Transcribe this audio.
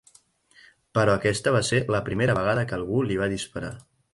Però aquesta va ser la primera vegada que algú li va disparar.